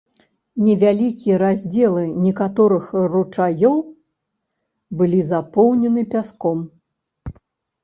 Невялікія раздзелы некаторых ручаёў былі запоўнены пяском.